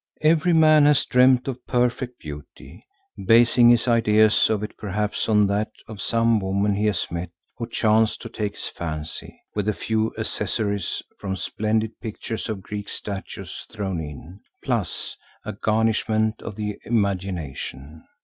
Every man has dreamed of perfect beauty, basing his ideas of it perhaps on that of some woman he has met who chanced to take his fancy, with a few accessories from splendid pictures or Greek statues thrown in, plus a garnishment of the imagination.